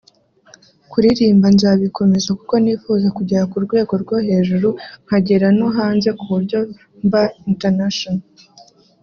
Kuririmba nzabikomeza kuko nifuza kugera ku rwego rwo hejuru nkagera no hanze kuburyo mba International